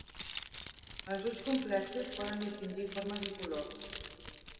Els ulls complexos poden distingir formes i colors.